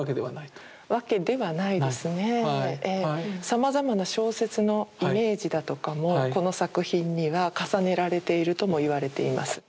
さまざまな小説のイメージだとかもこの作品には重ねられているとも言われています。